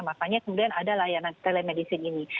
makanya kemudian ada layanan telemedicine ini